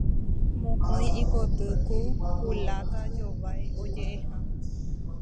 Mokõi ikoty, ku kuláta jovái oje'eha.